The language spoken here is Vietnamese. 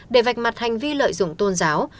để vạch mặt hành vi lợi dụng tôn giáo